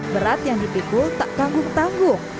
berat yang dipikul tak tanggung tanggung